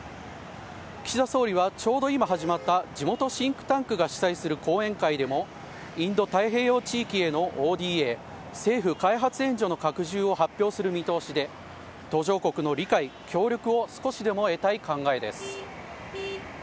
岸田総理はちょうど今始まった地元シンクタンクが主催する講演会でもインド太平洋地域へのＯＤＡ＝政府開発援助の拡充を発表する見通しで、途上国の理解・協力を少しでも得たい考えです。